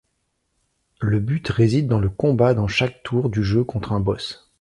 Le but réside dans le combat dans chaque tour du jeu contre un boss.